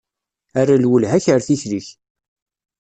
Err lwelha-k ar tikli-k.